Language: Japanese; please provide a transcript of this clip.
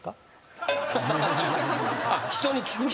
あっ人に聞くの？